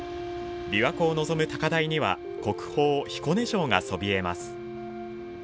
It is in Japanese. びわ湖を望む高台には国宝・彦根城がそびえます。